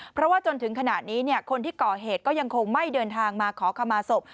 เพราะว่าจนถึงขณะนี้คนที่ก่อเหตุก็ยังคงไม่เดินทางมาขอขมาศพ